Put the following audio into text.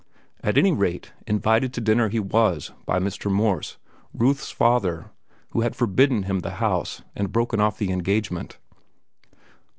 At any rate, invited to dinner he was by Mr. Morse—Ruth's father, who had forbidden him the house and broken off the engagement.